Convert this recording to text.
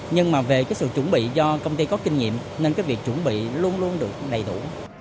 nhưng mà về cái sự chuẩn bị do công ty có kinh nghiệm nên cái việc chuẩn bị luôn luôn được đầy đủ